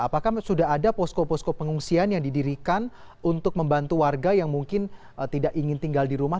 apakah sudah ada posko posko pengungsian yang didirikan untuk membantu warga yang mungkin tidak ingin tinggal di rumah